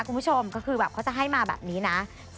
คุณผู้ชมก็คือแบบเขาจะให้มาแบบนี้นะ